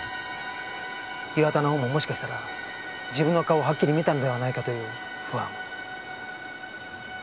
岩田のほうももしかしたら自分の顔をはっきり見たのではないかという不安。